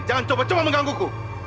jangan coba coba mengganggu ku